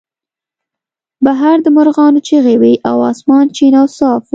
بهر د مرغانو چغې وې او اسمان شین او صاف و